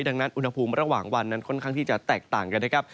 ดังนั้นอุณหภูมิระหว่างวันนั้นค่อนข้างที่จะแตกต่างกันนะครับ